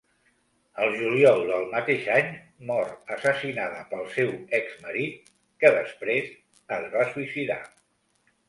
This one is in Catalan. Al juliol del mateix any mor assassinada pel seu exmarit, que després es va suïcidar.